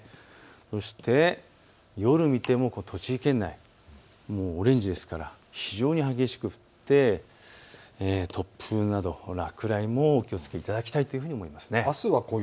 そして夜を見ても栃木県内、オレンジですから非常に激しく降って突風など、落雷などもお気をつけいただきたいと思います。